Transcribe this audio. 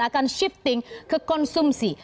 akan shifting ke konsumsi